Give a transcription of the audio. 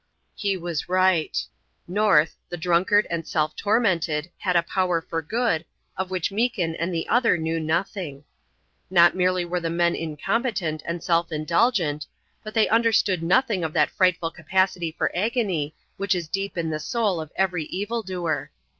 He was right. North, the drunkard and self tormented, had a power for good, of which Meekin and the other knew nothing. Not merely were the men incompetent and self indulgent, but they understood nothing of that frightful capacity for agony which is deep in the soul of every evil doer.